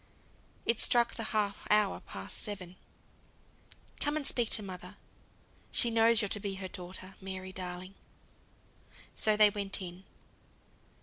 It struck the half hour past seven. "Come and speak to mother; she knows you're to be her daughter, Mary, darling." So they went in.